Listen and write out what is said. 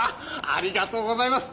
ありがとうございます！